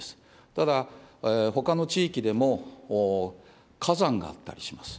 ただ、ほかの地域でも火山があったりします。